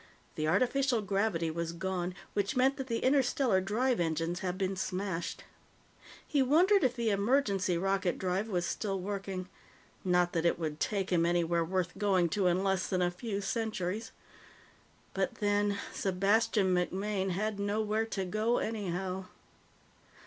The artificial gravity was gone, which meant that the interstellar drive engines had been smashed. He wondered if the emergency rocket drive was still working not that it would take him anywhere worth going to in less than a few centuries. But, then, Sebastian MacMaine had nowhere to go, anyhow.